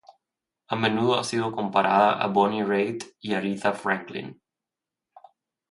A menudo ha sido comparada a Bonnie Raitt y Aretha Franklin.